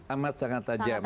amat sangat tajam